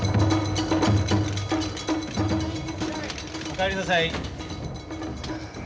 お帰りなさい。